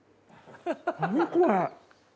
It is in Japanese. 何これ。